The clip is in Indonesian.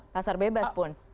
pasar bebas pun